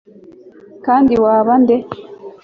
kandi waba nde